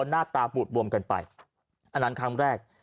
หน้าตาปูดบวมกันไปอันนั้นครั้งแรก